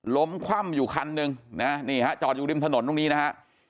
คว่ำอยู่คันหนึ่งนะนี่ฮะจอดอยู่ริมถนนตรงนี้นะฮะ